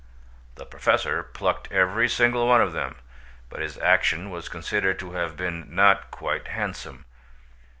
The Professor plucked every single one of them, but his action was considered to have been not quite handsome.